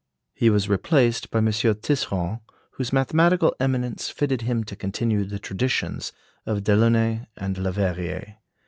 He was replaced by M. Tisserand, whose mathematical eminence fitted him to continue the traditions of Delaunay and Leverrier.